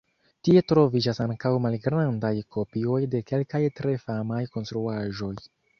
Tie troviĝas ankaŭ malgrandaj kopioj de kelkaj tre famaj konstruaĵoj.